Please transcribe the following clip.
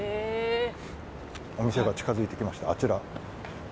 お店が近づいてきました、あちら。